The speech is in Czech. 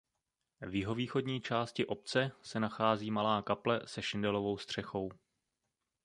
V jihovýchodní části obce se nachází malá kaple se šindelovou střechou.